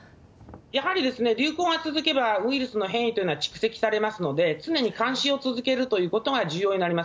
やはり流行が続けば、ウイルスの変異というのは蓄積されますので、常に監視を続けるということが重要になります。